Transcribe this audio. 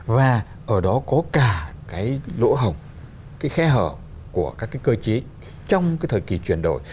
và ở đó có cả cái lỗ hồng cái khẽ hở của các cái cơ chế trong cái thời kỳ chuyển đổi